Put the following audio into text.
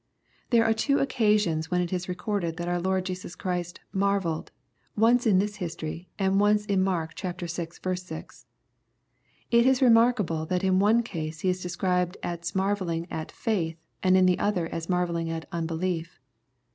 '] There are two occasions where it is recorded that our Lord Jesus Christ "marvelled," once in this history, and once in Mark vi. 6. It is remarkable that in one case He is described as marvelling at " faith," and in the other aa marvelling at "unbehef."